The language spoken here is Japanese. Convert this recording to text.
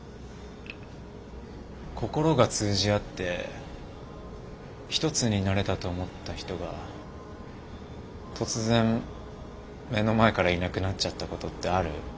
心が通じ合って一つになれたと思った人が突然目の前からいなくなっちゃったことってある？